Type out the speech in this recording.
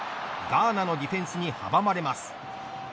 ガーナのディフェンスに阻まれます。